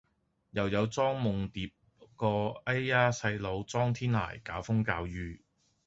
又有莊夢蝶個哎呀細佬莊天涯搞風搞雨